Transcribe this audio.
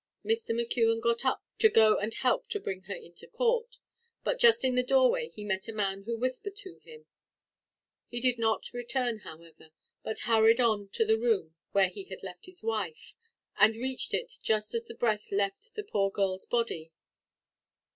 Mr. McKeon got up to go and help to bring her into court, but just in the doorway he met a man who whispered to him; he did not return however, but hurried on to the room where he had left his wife, and reached it just as the breath left the poor girl's body.